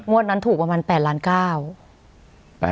มวดนั้นถูกประมาณ๘ล้านเก้า